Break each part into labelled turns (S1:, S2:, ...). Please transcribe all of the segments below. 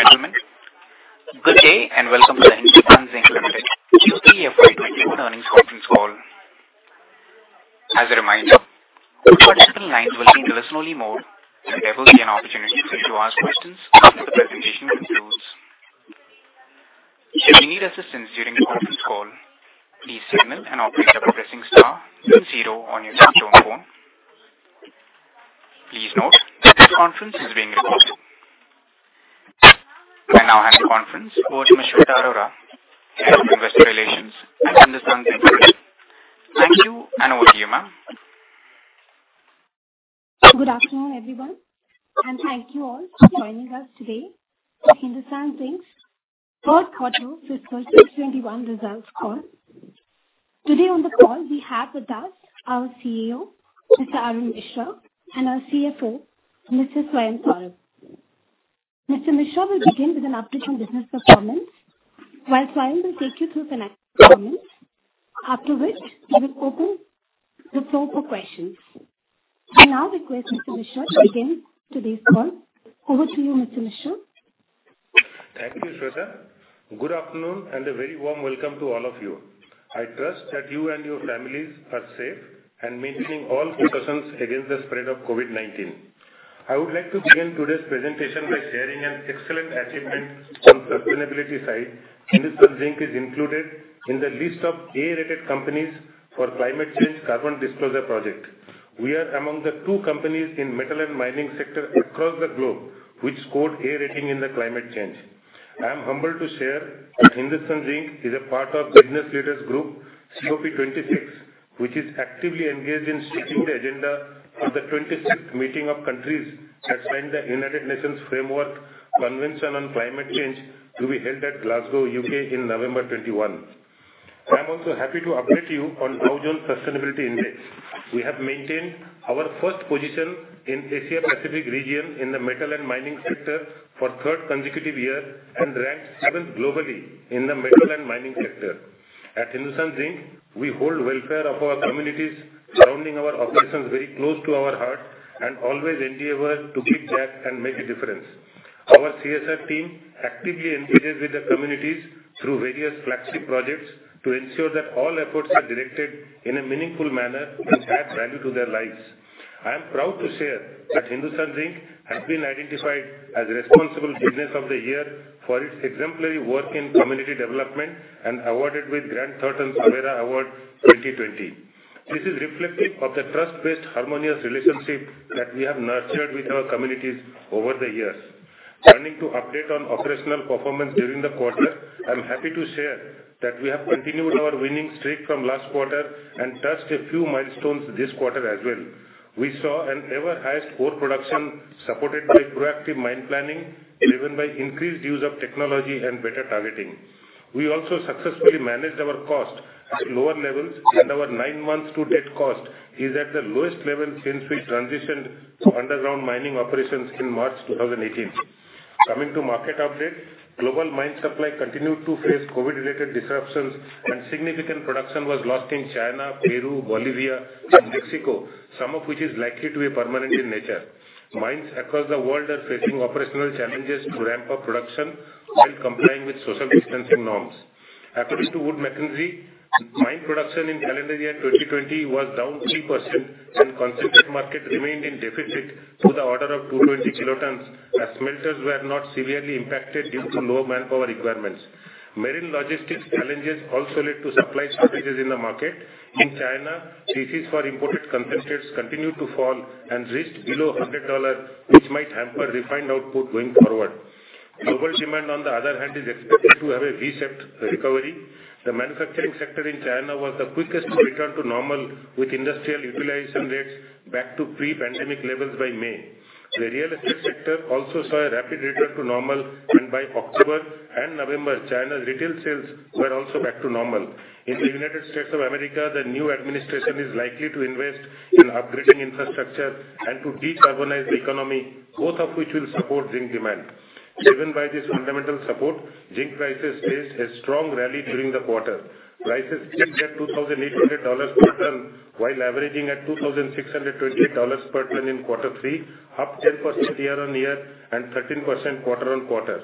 S1: Ladies and gentlemen, good day and welcome to the Hindustan Zinc Limited Q3 FY 2021 earnings conference call. I now hand the conference over to Ms. Shweta Arora, Head of Investor Relations at Hindustan Zinc Limited. Thank you and over to you, ma'am.
S2: Good afternoon, everyone, thank you all for joining us today for Hindustan Zinc's third quarter fiscal year 2021 results call. Today on the call we have with us our CEO, Mr. Arun Misra, and our CFO, Mr. Swayam Saurabh. Mr. Misra will begin with an update on business performance while Swayam will take you through financial performance, after which we will open the floor for questions. I now request Mr. Misra to begin today's call. Over to you, Mr. Misra.
S3: Thank you, Shweta. Good afternoon and a very warm welcome to all of you. I trust that you and your families are safe and maintaining all precautions against the spread of COVID-19. I would like to begin today's presentation by sharing an excellent achievement on sustainability side. Hindustan Zinc is included in the list of A-rated companies for climate change Carbon Disclosure Project. We are among the two companies in metal and mining sector across the globe which scored A rating in the climate change. I am humbled to share that Hindustan Zinc is a part of Business Leaders Group COP26, which is actively engaged in setting the agenda for the 26th meeting of countries that signed the United Nations Framework Convention on Climate Change to be held at Glasgow, U.K. in November 2021. I'm also happy to update you on Dow Jones Sustainability Index. We have maintained our first position in Asia Pacific region in the metal and mining sector for third consecutive year and ranked seventh globally in the metal and mining sector. At Hindustan Zinc, we hold welfare of our communities surrounding our operations very close to our heart and always endeavor to give back and make a difference. Our CSR team actively engages with the communities through various flagship projects to ensure that all efforts are directed in a meaningful manner which adds value to their lives. I am proud to share that Hindustan Zinc has been identified as responsible business of the year for its exemplary work in community development and awarded with Grant Thornton SABERA Award 2020. This is reflective of the trust-based harmonious relationship that we have nurtured with our communities over the years. Turning to update on operational performance during the quarter, I'm happy to share that we have continued our winning streak from last quarter and touched a few milestones this quarter as well. We saw an ever highest ore production supported by proactive mine planning, driven by increased use of technology and better targeting. We also successfully managed our cost at lower levels and our nine months to date cost is at the lowest level since we transitioned to underground mining operations in March 2018. Coming to market update. Global mine supply continued to face COVID-19 related disruptions and significant production was lost in China, Peru, Bolivia and Mexico, some of which is likely to be permanent in nature. Mines across the world are facing operational challenges to ramp up production while complying with social distancing norms. According to Wood Mackenzie, mine production in calendar year 2020 was down 3% and concentrate market remained in deficit to the order of 220 kilotons, as smelters were not severely impacted due to low manpower requirements. Marine logistics challenges also led to supply shortages in the market. In China, TCs for imported concentrates continued to fall and reached below $100, which might hamper refined output going forward. Global demand, on the other hand, is expected to have a V-shaped recovery. The manufacturing sector in China was the quickest to return to normal, with industrial utilization rates back to pre-pandemic levels by May. The real estate sector also saw a rapid return to normal, and by October and November, China's retail sales were also back to normal. In the United States of America, the new administration is likely to invest in upgrading infrastructure and to decarbonize the economy, both of which will support zinc demand. Driven by this fundamental support, zinc prices faced a strong rally during the quarter. Prices peaked at $2,800 per ton while averaging at $2,628 per ton in quarter three, up 10% year-on-year and 13% quarter-on-quarter.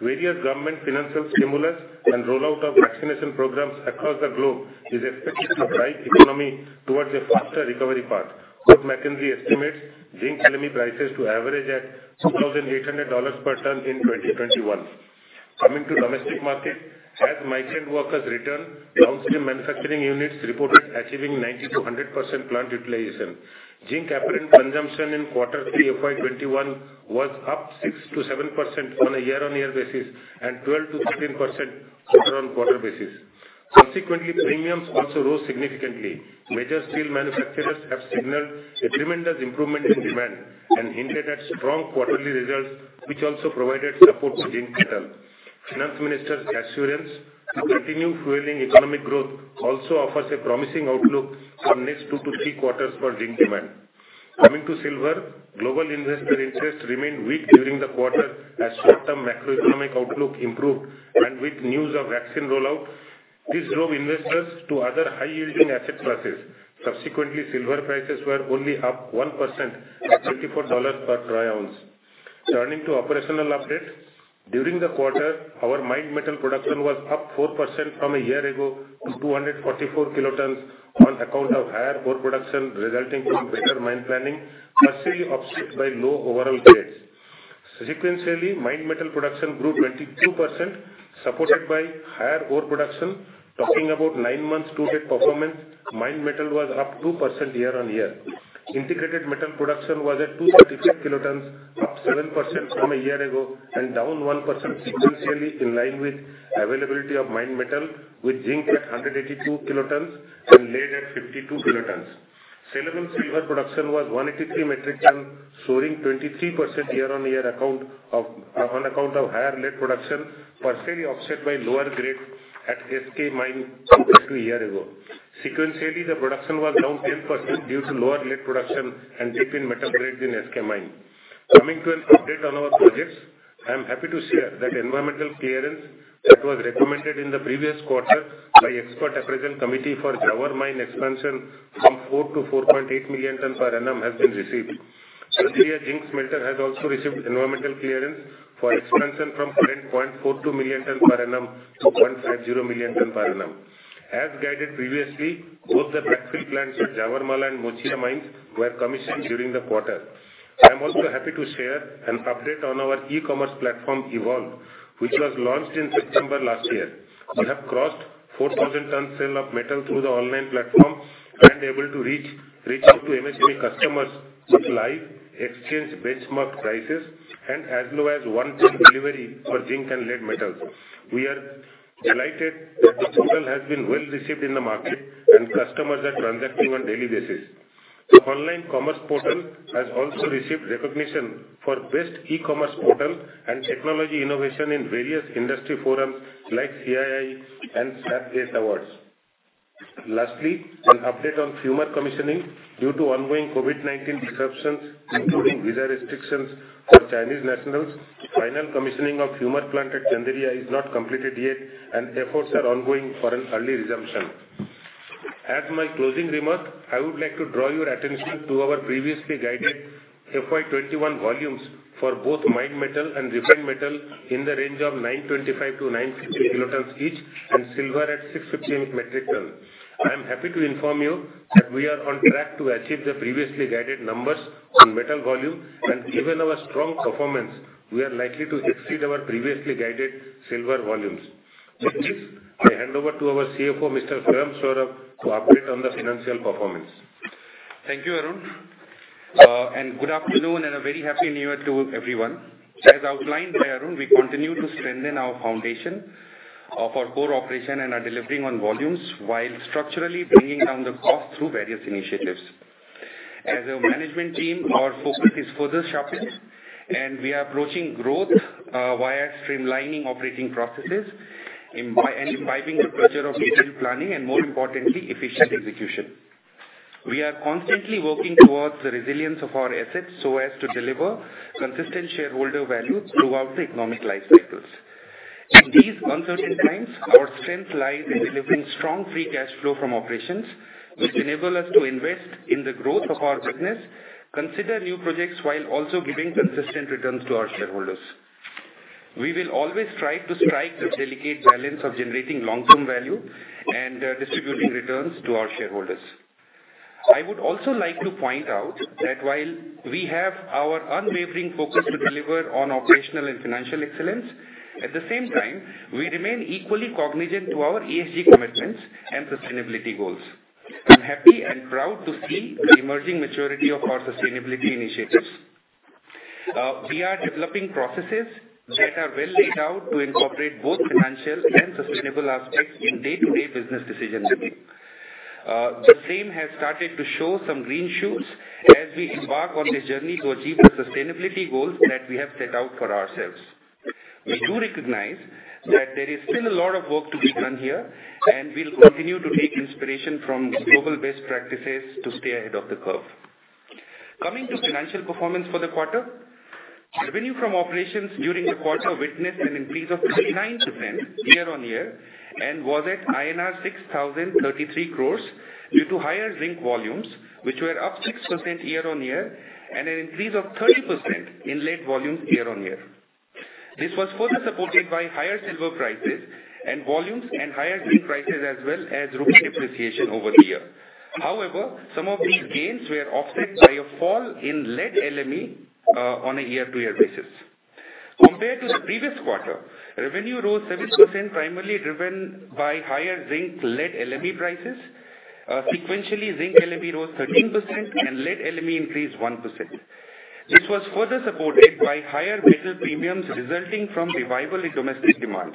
S3: Various government financial stimulus and rollout of vaccination programs across the globe is expected to drive economy towards a faster recovery path. Wood Mackenzie estimates zinc LME prices to average at $2,800 per ton in 2021. Coming to domestic market. As migrant workers return, downstream manufacturing units reported achieving 90%-100% plant utilization. Zinc apparent consumption in quarter three FY 2021 was up 6%-7% on a year-on-year basis and 12%-13% quarter-on-quarter basis. Subsequently, premiums also rose significantly. Major steel manufacturers have signaled a tremendous improvement in demand and hinted at strong quarterly results, which also provided support to Zinc metal. Finance Minister's assurance to continue fueling economic growth also offers a promising outlook for next two to three quarters for Zinc demand. Coming to Silver. Global investor interest remained weak during the quarter as short-term macroeconomic outlook improved and with news of vaccine rollout. This drove investors to other high-yielding asset classes. Subsequently, Silver prices were only up 1% at $34 per troy ounce. Turning to operational updates. During the quarter, our mined metal production was up 4% from a year ago to 244 kilotons on account of higher ore production resulting from better mine planning, partially offset by low overall grades. Sequentially, mined metal production grew 22%, supported by higher ore production. Talking about nine months to date performance, mined metal was up 2% year-on-year. Integrated metal production was at 235 kilotons, up 7% from a year ago and down 1% sequentially, in line with availability of mined metal with zinc at 182 kilotons and lead at 52 kilotons. Saleable silver production was 183 metric tons, soaring 23% year-on-year on account of higher Lead production, partially offset by lower grade at SK mine compared to a year ago. Sequentially, the production was down 10% due to lower lead production and dip in metal grades in SK mine. Coming to an update on our projects. I am happy to share that environmental clearance that was recommended in the previous quarter by Expert Appraisal Committee for Zawar Mine expansion from 4-4.8 million tons per annum has been received. Chanderiya Lead Zinc Smelter has also received environmental clearance for expansion from current 0.42 million tons per annum to 0.50 million tons per annum. As guided previously, both the backfill plants at Zawarmala and Mochia mines were commissioned during the quarter. I am also happy to share an update on our e-commerce platform, Evolve, which was launched in September last year. We have crossed 4,000 tons sale of metal through the online platform and able to reach out to MSME customers with live exchange benchmarked prices and as low as one ton delivery for zinc and lead metals. We are delighted that the portal has been well received in the market and customers are transacting on daily basis. The online commerce portal has also received recognition for best e-commerce portal and technology innovation in various industry forums like CII and Snapdeal Awards. Lastly, an update on fumer commissioning. Due to ongoing COVID-19 disruptions, including visa restrictions for Chinese nationals, final commissioning of fumer plant at Chanderiya is not completed yet, and efforts are ongoing for an early resumption. As my closing remark, I would like to draw your attention to our previously guided FY 2021 volumes for both mined metal and refined metal in the range of 925-950 kilotons each, and silver at 650 metric ton. I am happy to inform you that we are on track to achieve the previously guided numbers on metal volume and given our strong performance, we are likely to exceed our previously guided silver volumes. With this, I hand over to our CFO, Mr. Swayam Saurabh to update on the financial performance.
S4: Thank you, Arun. Good afternoon and a very Happy New Year to everyone. As outlined by Arun, we continue to strengthen our foundation of our core operation and are delivering on volumes while structurally bringing down the cost through various initiatives. As a management team, our focus is further sharpened and we are approaching growth via streamlining operating processes and imbibing the culture of detailed planning and more importantly, efficient execution. We are constantly working towards the resilience of our assets so as to deliver consistent shareholder value throughout the economic life cycles. In these uncertain times, our strength lies in delivering strong free cash flow from operations, which enable us to invest in the growth of our business, consider new projects while also giving consistent returns to our shareholders. We will always try to strike the delicate balance of generating long-term value and distributing returns to our shareholders. I would also like to point out that while we have our unwavering focus to deliver on operational and financial excellence, at the same time, we remain equally cognizant to our ESG commitments and sustainability goals. I'm happy and proud to see the emerging maturity of our sustainability initiatives. We are developing processes that are well laid out to incorporate both financial and sustainable aspects in day-to-day business decision-making. The same has started to show some green shoots as we embark on this journey to achieve the sustainability goals that we have set out for ourselves. We do recognize that there is still a lot of work to be done here, and we'll continue to take inspiration from global best practices to stay ahead of the curve. Coming to financial performance for the quarter. Revenue from operations during the quarter witnessed an increase of 39% year-on-year and was at INR 6,033 crores due to higher zinc volumes, which were up 6% year-on-year and an increase of 30% in lead volumes year-on-year. This was further supported by higher silver prices and volumes and higher zinc prices as well as rupee appreciation over the year. Some of these gains were offset by a fall in lead LME on a year-to-year basis. Compared to the previous quarter, revenue rose 7% primarily driven by higher zinc lead LME prices. Sequentially, zinc LME rose 13% and lead LME increased 1%. This was further supported by higher metal premiums resulting from revival in domestic demand.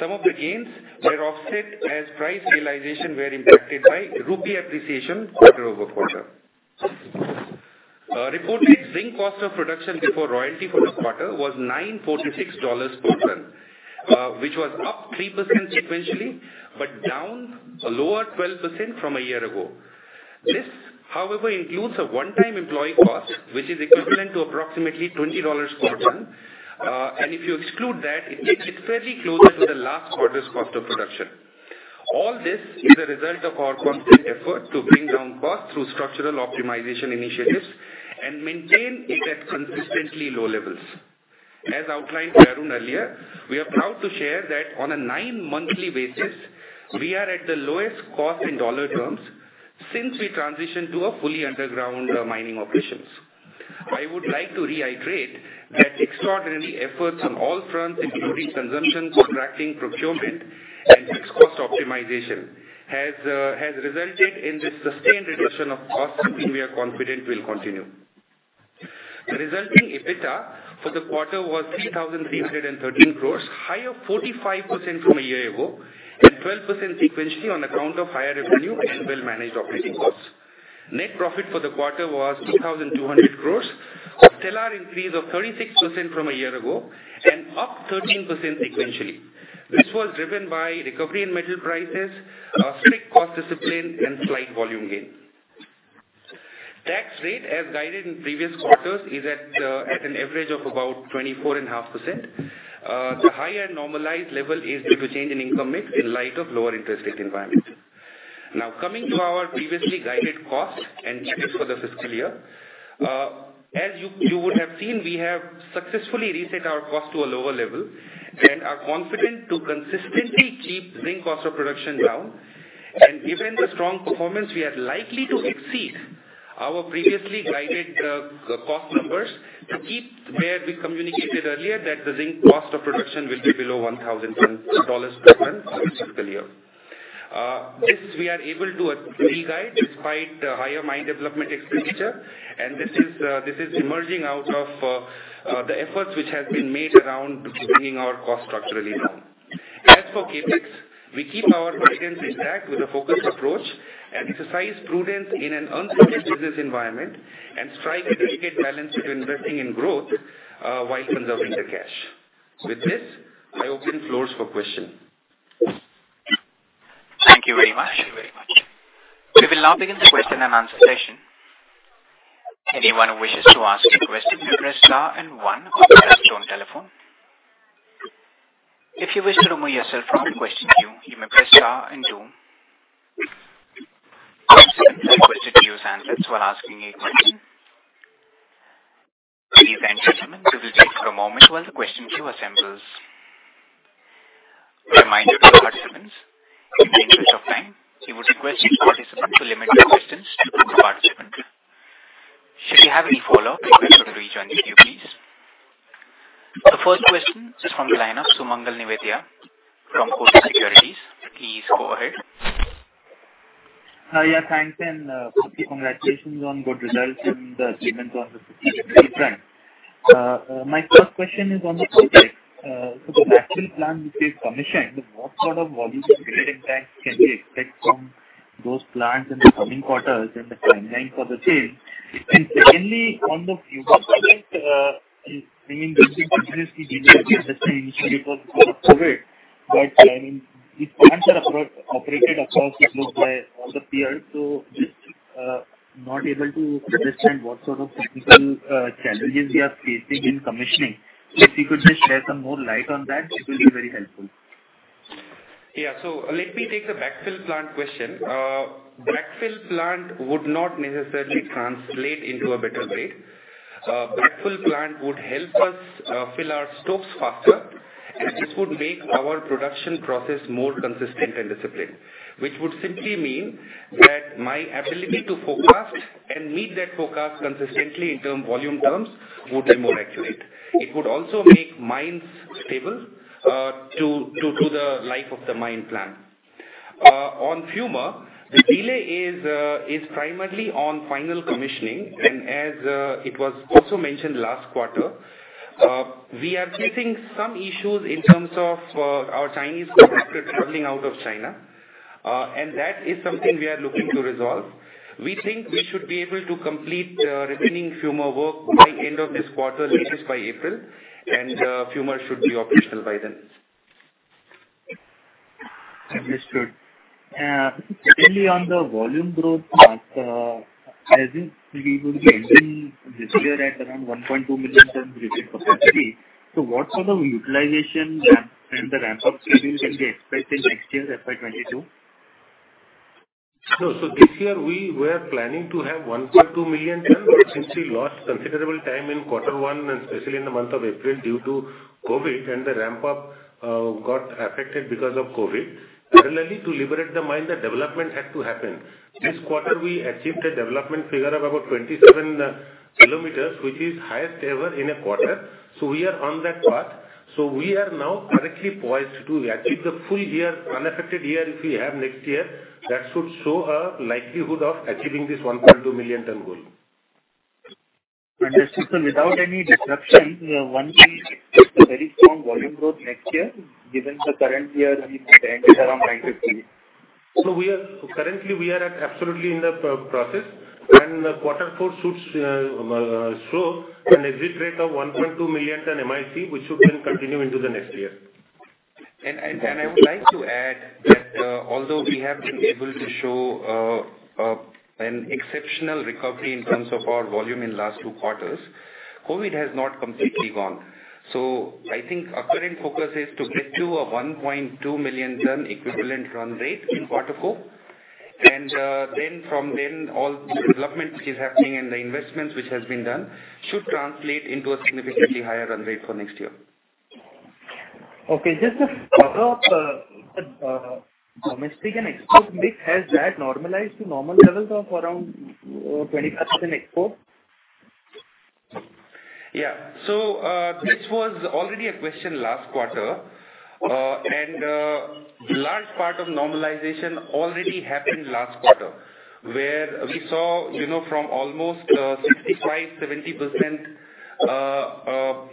S4: Some of the gains were offset as price realization were impacted by rupee appreciation quarter-over-quarter. Reported zinc cost of production before royalty for this quarter was $946 per ton which was up 3% sequentially, but down a lower 12% from a year ago. This, however, includes a one-time employee cost, which is equivalent to approximately $20 per ton. If you exclude that, it's fairly closer to the last quarter's cost of production. All this is a result of our constant effort to bring down costs through structural optimization initiatives and maintain it at consistently low levels. As outlined by Arun earlier, we are proud to share that on a nine-monthly basis, we are at the lowest cost in dollar terms since we transitioned to a fully underground mining operations. I would like to reiterate that extraordinary efforts on all fronts, including consumption, contracting, procurement, and fixed cost optimization has resulted in this sustained reduction of costs, which we are confident will continue. Resulting EBITDA for the quarter was 3,313 crore, higher 45% from a year-ago and 12% sequentially on account of higher revenue and well-managed operating costs. Net profit for the quarter was 2,200 crore, a stellar increase of 36% from a year-ago and up 13% sequentially. This was driven by recovery in metal prices, a strict cost discipline and slight volume gain. Tax rate, as guided in previous quarters, is at an average of about 24.5%. The higher normalized level is due to change in income mix in light of lower interest rate environment. Coming to our previously guided costs and CapEx for the fiscal year. As you would have seen, we have successfully reset our cost to a lower level and are confident to consistently keep zinc cost of production down. Given the strong performance, we are likely to exceed our previously guided cost numbers to keep where we communicated earlier that the zinc cost of production will be below $1,100 per ton for the fiscal year. This we are able to re-guide despite higher mine development expenditure. This is emerging out of the efforts which has been made around bringing our cost structurally down. As for CapEx, we keep our guidance intact with a focused approach and exercise prudence in an uncertain business environment and strike a delicate balance between investing in growth while conserving the cash. With this, I open floors for question.
S1: Thank you very much. We will now begin the question and answer session. Anyone who wishes to ask a question may press star and one on your telephone. If you wish to remove yourself from the question queue, you may press star and two. Participants are requested to use handsets while asking a question. Please enter them and we will wait for a moment while the question queue assembles. Reminder to participants, in the interest of time, we would request each participant to limit their questions to one per participant. Should you have any follow-up, you are welcome to rejoin the queue, please. The first question is from the line of Sumangal Nevatia from Kotak Securities. Please go ahead.
S5: Yeah, thanks and congratulations on good results and the statements on the (15th of April). My first question is on the backfill. So the backfill plant which you've commissioned, what sort of volumes of grade and ton can we expect from those plants in the coming quarters and the timeline for the same? Secondly, on the fumer plant, Hindustan Zinc did not give the same severity of COVID-19, but these plants are operated across the globe by all the peers, so just not able to understand what sort of technical challenges we are facing in commissioning. If you could just share some more light on that, it will be very helpful.
S4: Yeah. Let me take the backfill plant question. Backfill plant would not necessarily translate into a better grade. Backfill plant would help us fill our stocks faster. This would make our production process more consistent and disciplined, which would simply mean that my ability to forecast and meet that forecast consistently in volume terms would be more accurate. It could also make mines stable to the life of the mine plan. On fumer, the delay is primarily on final commissioning. As it was also mentioned last quarter, we are facing some issues in terms of our Chinese contractor traveling out of China, and that is something we are looking to resolve. We think we should be able to complete remaining fumer work by end of this quarter, latest by April, and fumer should be operational by then.
S5: Understood. On the volume growth path, I think we will be ending this year at around 1.2 million tons of refined capacity. What sort of utilization and the ramp-up schedule can we expect in next year, FY 2022?
S3: No. This year we were planning to have 1.2 million tons. Since we lost considerable time in quarter one and especially in the month of April due to COVID-19 and the ramp-up got affected because of COVID-19. Parallelly, to liberate the mine, the development had to happen. This quarter, we achieved a development figure of about 27 km, which is highest ever in a quarter. We are on that path. We are now correctly poised to achieve the full year, unaffected year if we have next year. That should show a likelihood of achieving this 1.2 million ton goal.
S5: Understood. Without any disruption, one can expect a very strong volume growth next year given the current year we ended around 950.
S3: Currently we are at absolutely in the process, and quarter four should show an exit rate of 1.2 million ton MIC, which should then continue into the next year.
S4: I would like to add that although we have been able to show an exceptional recovery in terms of our volume in last two quarters, COVID has not completely gone. I think our current focus is to get to a 1.2 million ton equivalent run rate in quarter four. From then all development which is happening and the investments which has been done should translate into a significantly higher run rate for next year.
S5: Okay. Just to follow up, the domestic and export mix, has that normalized to normal levels of around 25% export?
S4: Yeah. This was already a question last quarter. Large part of normalization already happened last quarter, where we saw from almost 65%-70% export sale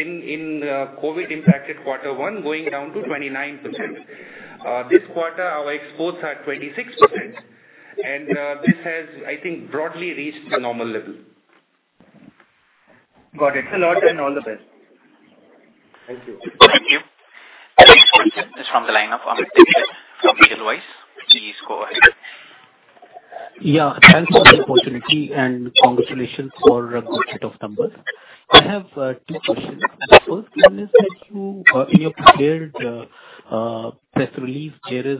S4: in COVID-impacted quarter one going down to 29%. This quarter, our exports are 26%. This has, I think, broadly reached the normal level.
S5: Got it. Thanks a lot and all the best.
S4: Thank you.
S1: Thank you. The next question is from the line of Amit Dixit from Edelweiss Securities. Please go ahead.
S6: Thanks for the opportunity and congratulations for a good set of numbers. I have two questions. The first one is that in your prepared press release, there is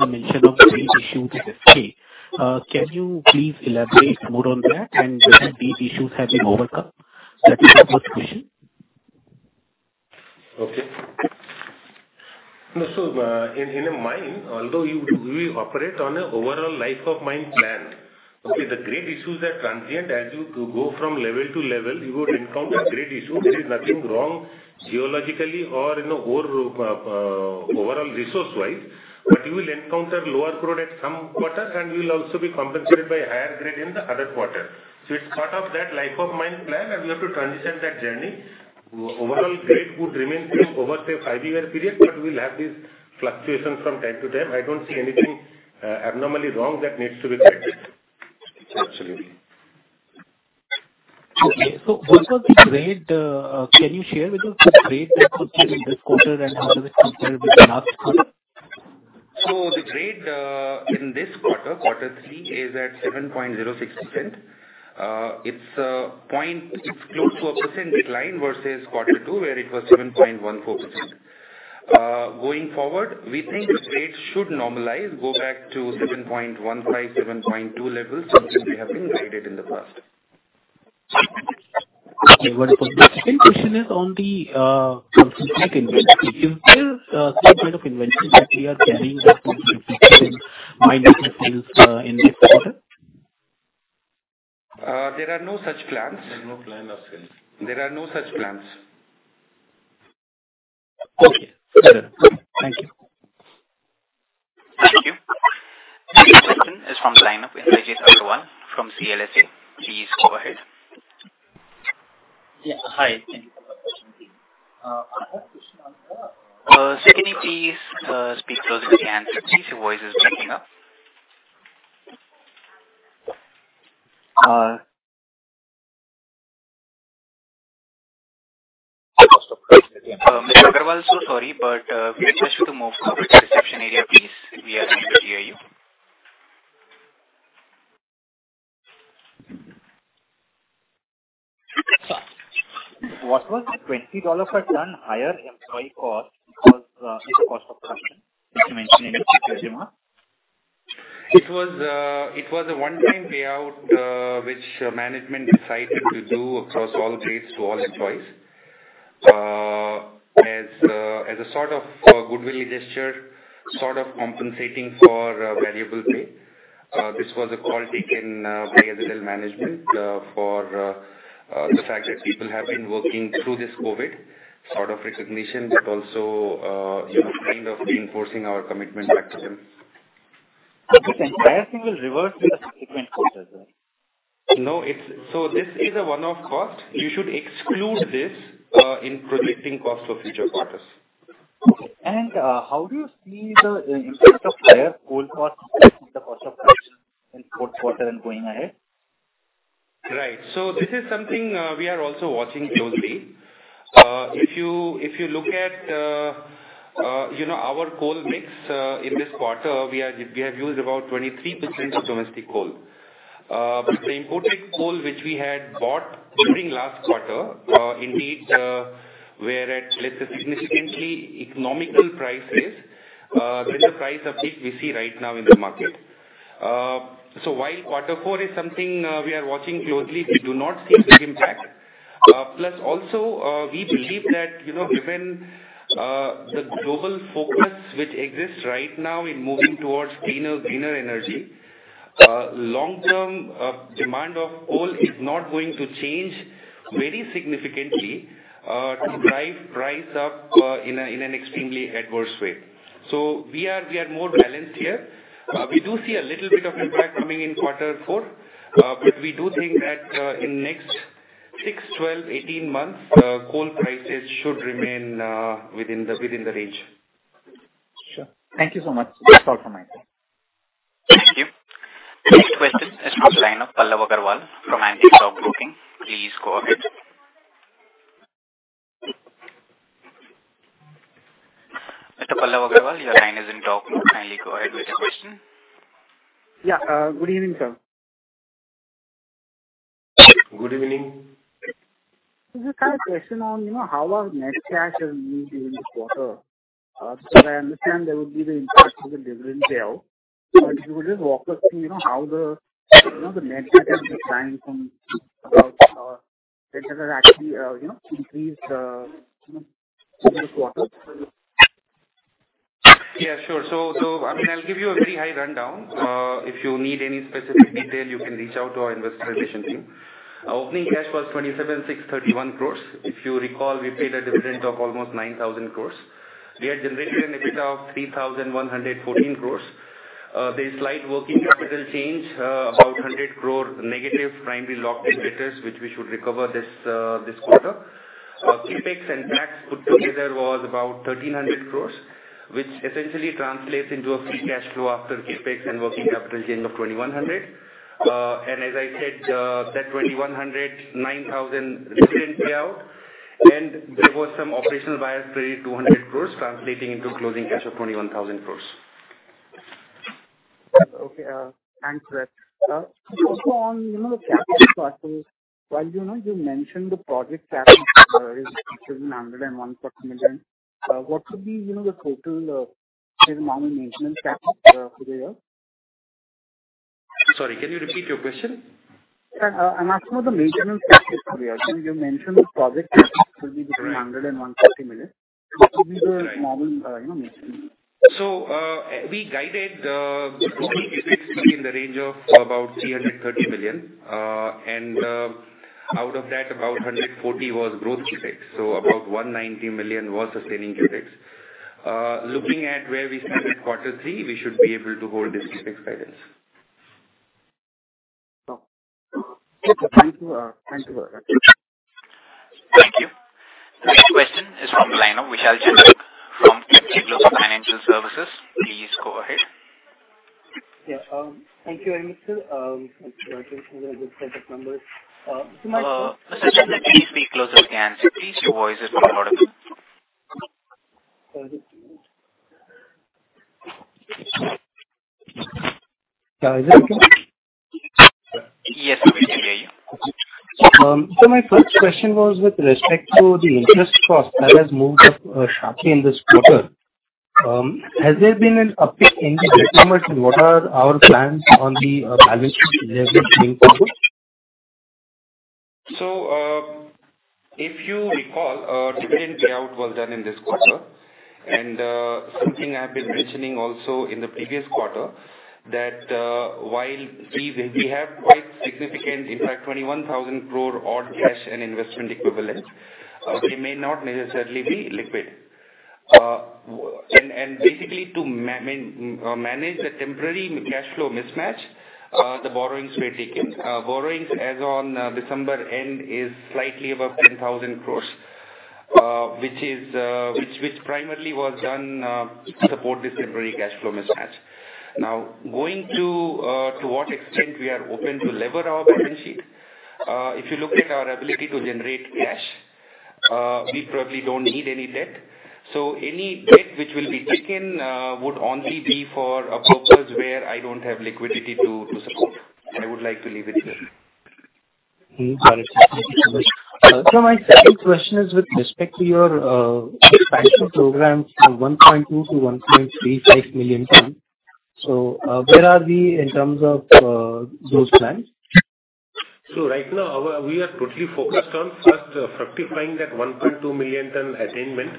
S6: a mention of grade issue with SK. Can you please elaborate more on that and whether these issues have been overcome? That is my first question.
S3: Okay. In a mine, although we operate on an overall life of mine plan. Okay? The grade issues are transient. As you go from level to level, you would encounter grade issue. There is nothing wrong geologically or overall resource wise, but you will encounter lower grade at some quarter, and you will also be compensated by higher grade in the other quarter. It is part of that life of mine plan, and we have to transition that journey. Overall grade would remain same over a five-year period, but we'll have these fluctuations from time to time. I don't see anything abnormally wrong that needs to be corrected.
S6: Absolutely. Okay. What was the grade? Can you share with us the grade that you put in this quarter and how does it compare with last quarter?
S4: The grade in this quarter three, is at 7.06%. It's close to a % decline versus quarter two, where it was 7.14%. Going forward, we think grades should normalize, go back to 7.15%, 7.2% levels, something we have been guided in the past.
S6: Okay. Wonderful. The second question is on the concurrent investment. Is there some kind of investment that we are carrying out in mining facilities in this quarter?
S4: There are no such plans.
S3: There's no plan as such.
S4: There are no such plans.
S6: Okay. Fair enough. Thank you.
S1: Thank you. The next question is from line of Indrajit Agarwal from CLSA. Please go ahead.
S7: Yeah. Hi. Thank you for the opportunity.
S1: Sir, can you please speak closer to the hand please? Your voice is breaking up. Mr. Agarwal, so sorry, we'll request you to move towards the reception area, please. We are unable to hear you.
S7: What was the $20 per ton higher employee cost because this cost of production, which you mentioned in your Q3 number?
S4: It was a one-time payout, which management decided to do across all grades to all employees, as a sort of goodwill gesture, sort of compensating for variable pay. This was a call taken by the management for the fact that people have been working through this COVID, sort of recognition, but also kind of reinforcing our commitment back to them.
S7: This entire thing will reverse in the subsequent quarters?
S4: No. This is a one-off cost. You should exclude this in predicting costs for future quarters.
S7: Okay. How do you see the impact of higher coal cost in the cost of production in quarter and going ahead?
S4: Right. This is something we are also watching closely. If you look at our coal mix in this quarter, we have used about 23% of domestic coal. The imported coal which we had bought during last quarter, indeed, were at, let's say, significantly economical prices than the price of it we see right now in the market. While quarter four is something we are watching closely, we do not see big impact. Plus also, we believe that given the global focus which exists right now in moving towards cleaner energy, long-term demand of coal is not going to change very significantly to drive price up in an extremely adverse way. We are more balanced here. We do see a little bit of impact coming in quarter four. We do think that in next six, 12, 18 months, coal prices should remain within the range.
S7: Sure. Thank you so much. That's all from my side.
S1: Next question is from the line of Pallav Agarwal from Antique Stock Broking. Please go ahead. Mr. Pallav Agarwal, your line is in talk mode. Kindly go ahead with your question.
S8: Yeah. Good evening, sir.
S4: Good evening.
S8: Just had a question on how our net cash has moved during this quarter. I understand there would be the impact of the dividend payout. If you could just walk us through how the net cash has declined from September that actually increased this quarter.
S4: Yeah, sure. I'll give you a very high rundown. If you need any specific detail, you can reach out to our investor relations team. Opening cash was 27,631 crore. If you recall, we paid a dividend of almost 9,000 crore. We had generated an EBITDA of 3,114 crore. There's slight working capital change, about 100 crore negative, primarily locked in debtors, which we should recover this quarter. CapEx and tax put together was about 1,300 crore, which essentially translates into a free cash flow after CapEx and working capital change of 2,100 crore. As I said, that 2,100 crore, 9,000 crore dividend payout and there was some operational items, 3,200 crore translating into closing cash of 21,000 crore.
S8: Okay. Thanks for that. On the capital part, while you mentioned the project capital is between $100 million and $150 million, what would be the total annual maintenance capital for the year?
S4: Sorry, can you repeat your question?
S8: Yeah. I am asking about the maintenance capital for the year. You mentioned the project capital will be between $100 million and $150 million. What would be the normal maintenance?
S4: We guided the total CapEx to be in the range of about $330 million. Out of that, about $140 million was growth CapEx, so about $190 million was sustaining CapEx. Looking at where we stand in quarter three, we should be able to hold this CapEx guidance.
S8: Okay. Thank you.
S4: Thank you.
S1: Thank you. Next question is from the line of Vishal Jain from ICICI Prudential Financial Services. Please go ahead.
S9: Yeah. Thank you very much, sir. I think these are a good set of numbers.
S1: Sir, since the line is being closed again, please your voice is not audible.
S9: Sorry. Is that okay?
S1: Yes, we can hear you.
S9: Okay. My first question was with respect to the interest cost that has moved up sharply in this quarter. Has there been an uptick in the debt markets? What are our plans on the balance sheet leverage going forward?
S4: If you recall, our dividend payout was done in this quarter. Something I've been mentioning also in the previous quarter, that while we have quite significant, in fact 21,000 crore-odd cash and investment equivalent, they may not necessarily be liquid. Basically, to manage the temporary cash flow mismatch, the borrowings were taken. Borrowings as on December end is slightly above 10,000 crore which primarily was done to support this temporary cash flow mismatch. Going to what extent we are open to lever our balance sheet. If you look at our ability to generate cash, we probably don't need any debt. Any debt which will be taken would only be for a purpose where I don't have liquidity to support. I would like to leave it there.
S9: Got it. Thank you so much. My second question is with respect to your expansion program from 1.2 million ton to 1.35 million ton. Where are we in terms of those plans?
S3: Right now, we are totally focused on first fructifying that 1.2 million tons attainment.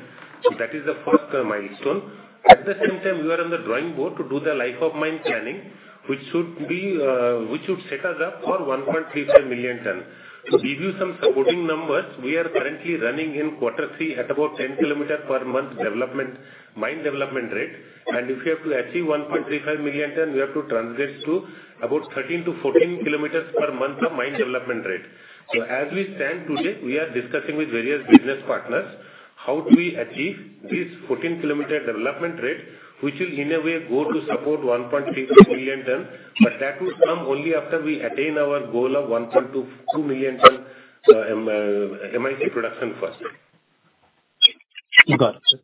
S3: That is the first milestone. At the same time, we are on the drawing board to do the life of mine planning, which should set us up for 1.35 million tons. To give you some supporting numbers, we are currently running in quarter three at about 10 km per month mine development rate. If we have to achieve 1.35 million tons, we have to translate to about 13-14 km per month of mine development rate. As we stand today, we are discussing with various business partners, how do we achieve this 14-km development rate, which will in a way go to support 1.35 million tons, but that will come only after we attain our goal of 1.2 million tons MIC production first.
S9: Got it, sir.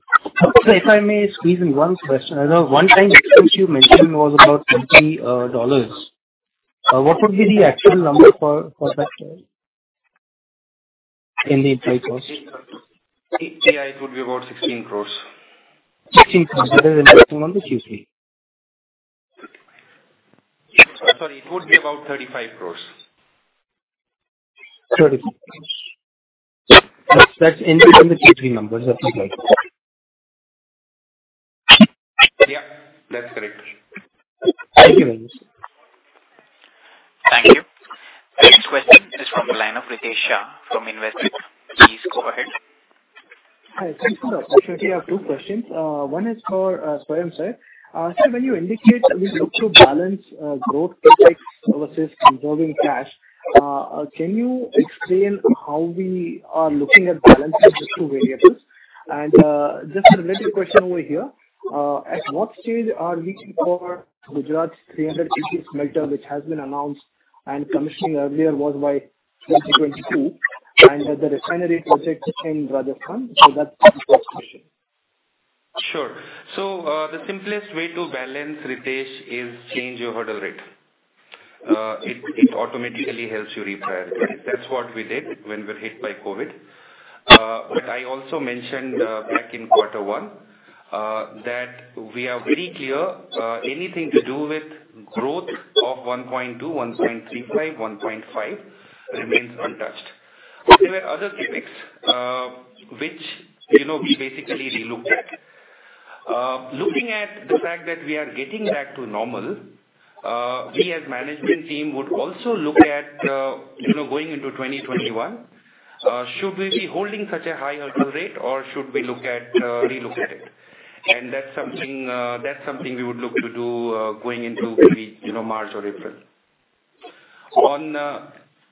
S9: If I may squeeze in one question. The one-time expense you mentioned was about $20. What would be the actual number for that in the rupee cost?
S4: It would be about 16 crores.
S9: 16 crores. Is that an interesting number? Excuse me.
S4: Sorry, it would be about 35 crores.
S9: 35 crores. That's included in the Q3 numbers. That's right.
S4: Yeah, that's correct.
S9: Thank you very much, sir.
S1: Thank you. Next question is from the line of Ritesh Shah from Investec. Please go ahead.
S10: Hi. Thanks for the opportunity. I have two questions. One is for Swayam sir. Sir, when you indicate we look to balance growth CapEx versus conserving cash, can you explain how we are looking at balancing these two variables? Just a related question over here. At what stage are we for Gujarat's 300 KTPA smelter, which has been announced and commissioning earlier was by 2022, and the refinery project in Rajasthan? That's the first question.
S4: Sure. The simplest way to balance, Ritesh, is change your hurdle rate. It automatically helps you reprioritize. That's what we did when we were hit by COVID-19. I also mentioned back in quarter one that we are very clear anything to do with growth of 1.2%, 1.35%, 1.5% remains untouched. There were other topics which we basically re-looked at. Looking at the fact that we are getting back to normal, we as management team would also look at going into 2021. Should we be holding such a high hurdle rate or should we re-look at it? That's something we would look to do going into maybe March or April.
S3: On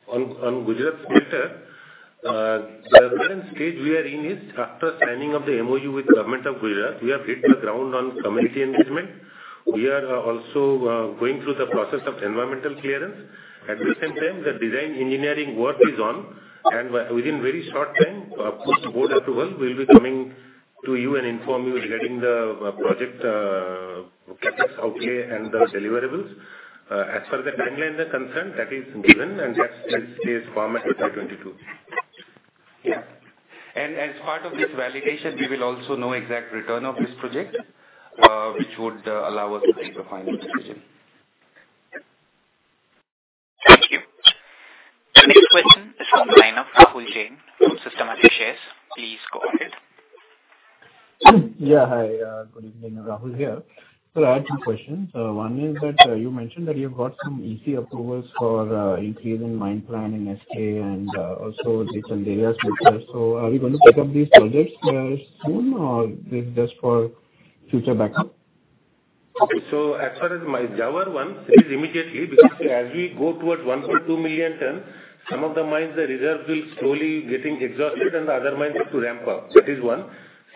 S3: Gujarat smelter, the current stage we are in is after signing of the MoU with Government of Gujarat. We have hit the ground on community engagement. We are also going through the process of environmental clearance. At the same time, the design engineering work is on, and within a very short time, post-board approval, we'll be coming to you and inform you regarding the project CapEx outlay and the deliverables. As far as the timeline is concerned, that is given and that stays firm at 2022.
S4: Yeah. As part of this validation, we will also know exact return of this project, which would allow us to take a final decision.
S10: Thank you.
S1: The next question is from the line of Rahul Jain from Systematix Shares. Please go ahead.
S11: Yeah, hi, good evening. Rahul here. Sir, I have two questions. One is that you mentioned that you've got some EC approvals for increasing mine plan in SK and also Chanderiya smelter. Are we going to take up these projects soon or is this just for future backup?
S3: As far as my Zawar Mine, it is immediately because as we go towards 1.2 million tons, some of the mines the reserves will slowly getting exhausted and the other mines have to ramp up. That is one.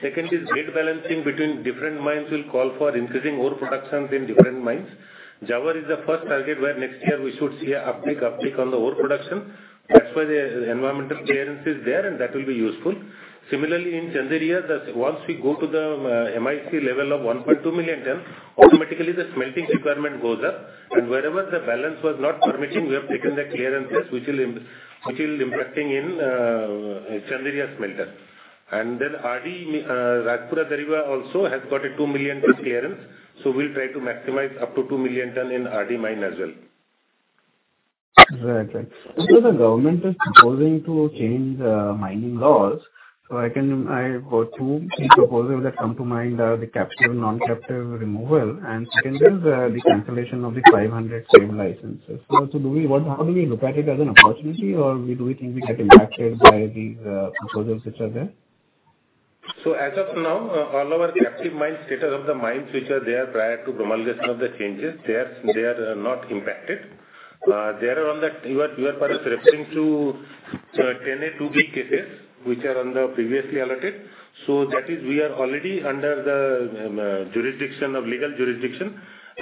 S3: Second is grade balancing between different mines will call for increasing ore productions in different mines. Zawar Mine is the first target where next year we should see an uptick on the ore production. That's why the environmental clearance is there and that will be useful. Similarly, in Chanderiya, once we go to the MIC level of 1.2 million tons, automatically the smelting requirement goes up. Wherever the balance was not permitting, we have taken the clearance first, which will be impacting in Chanderiya smelter. Then RD, Rajpura Dariba Mine also has got a 2 million ton clearance. We'll try to maximize up to 2 million tons in RD mine as well.
S11: Right. Sir, the government is proposing to change mining laws. I've got two key proposals that come to mind are the captive, non-captive removal, and second is the cancellation of the 500 (pending) licenses. How do we look at it as an opportunity, or do we think we get impacted by these proposals which are there?
S3: As of now, all our captive mine status of the mines which are there prior to promulgation of the changes, they are not impacted. You are perhaps referring to 10A, 2B cases which are on the previously allotted. That is we are already under the legal jurisdiction,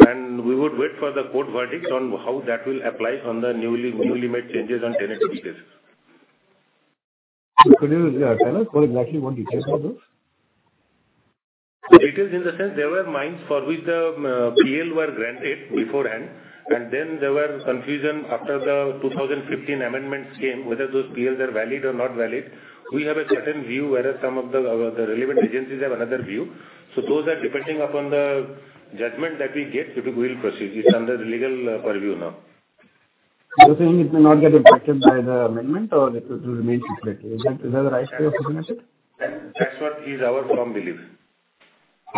S3: and we would wait for the court verdict on how that will apply on the newly made changes on 10A, 2B cases.
S11: Could you tell us what exactly details are those?
S3: Details in the sense there were mines for which the PL were granted beforehand, and then there were confusion after the 2015 amendments came whether those PLs are valid or not valid. We have a certain view, whereas some of the relevant agencies have another view. Those are depending upon the judgment that we get, we will proceed. It's under legal purview now.
S11: You're saying it may not get impacted by the amendment or that it will remain separate. Is that the right way of looking at it?
S3: That's what is our firm belief.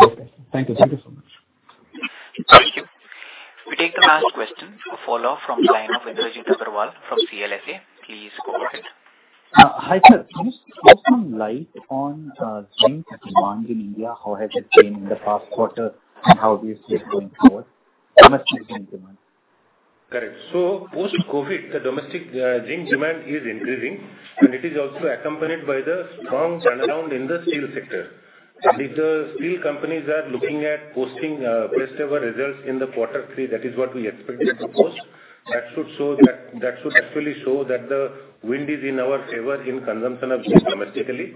S11: Okay. Thank you so much.
S1: Thank you. We take the last question, a follow-up from the line of Yudhraj Agarwal from CLSA. Please go ahead.
S12: Hi, sir. Can you shed some light on Zinc demand in India? How has it changed in the past quarter and how do you see it going forward? Domestic Zinc demand.
S3: Correct. Post-COVID-19, the domestic Zinc demand is increasing and it is also accompanied by the strong turnaround in the steel sector. If the steel companies are looking at posting best ever results in the quarter three, that is what we expect them to post. That should actually show that the wind is in our favor in consumption of Zinc domestically.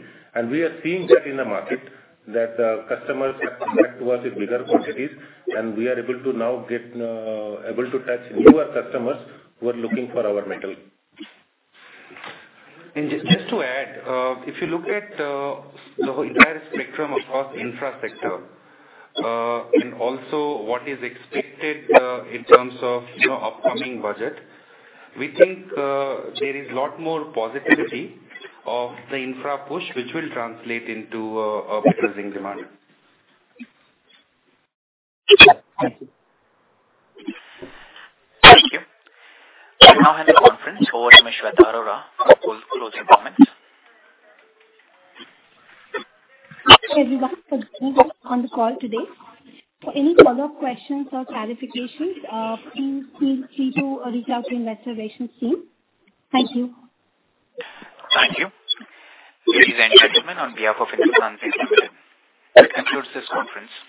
S3: We are seeing that in the market that customers are coming back to us with bigger quantities and we are able to now touch newer customers who are looking for our metal.
S4: Just to add, if you look at the entire spectrum across infra sector and also what is expected in terms of upcoming budget, we think there is a lot more positivity of the infra push, which will translate into a better zinc demand.
S12: Thank you.
S1: Thank you. We now hand the conference over to Shweta Arora for closing comments.
S2: Thanks, everyone, for being on the call today. For any follow-up questions or clarifications, please feel free to reach out to investor relations team. Thank you.
S1: Thank you. Ladies and gentlemen, on behalf of Hindustan Zinc Limited, that concludes this conference.